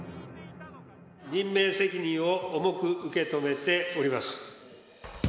任命責任を重く受け止めております。